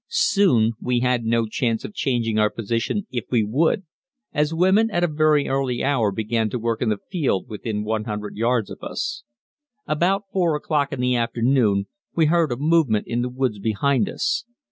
Soon we had no chance of changing our position if we would, as women at a very early hour began to work in the field within 100 yards of us. About 4 o'clock in the afternoon we heard a movement in the woods behind us.